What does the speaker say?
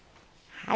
はい。